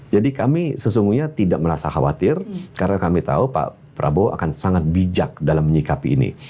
jadi kami sesungguhnya tidak merasa khawatir karena kami tahu pak prabowo akan sangat bijak dalam menyikapi ini